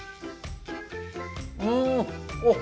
うんおっ！